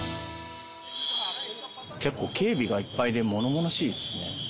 結構、警備がいっぱいで、ものものしいですね。